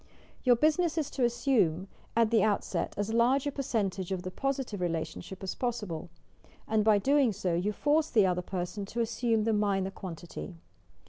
Your business is to assume at the outset as large a percentage of the positive relation ship as possible, and by doing so, you force the other person to assume the minor quantity.